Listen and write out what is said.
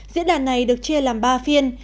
diễn đàn này được chia làm ba phiên